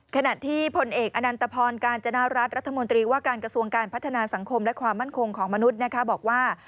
ขณะที่พลเอกอนันตพรกาญจนารัฐรัฐมนตรีว่าการกระทรวงการพัฒนาสังคมและความมั่นคงของมนุษย์บอกว่า